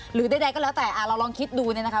หรือได้ก็แล้วแต่เราลองคิดดูนะคะ